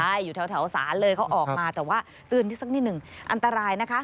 ใช่อยู่แถวศาลเลยเขาออกมาแต่ว่าตื่นที่สักนิดหนึ่งอันตรายนะคะ